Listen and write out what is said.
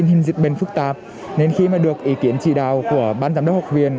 tình hình diệt bền phức tạp nên khi mà được ý kiến trì đào của ban giám đốc học viên